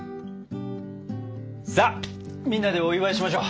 さあみんなでお祝いしましょう。